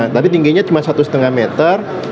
tapi tingginya cuma satu lima meter